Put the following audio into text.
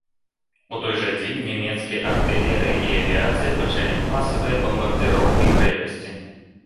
У той жа дзень нямецкая артылерыя і авіяцыя пачалі масавыя бамбардзіроўкі крэпасці.